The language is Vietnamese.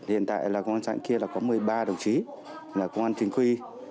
hiện tại là công an xã ở kia là có một mươi ba đồng chí là công an trình quy